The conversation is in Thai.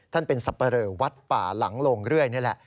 ท่านเป็นสับปะเรอวัดป่าหลังโลงเรื่อยนี่แหละ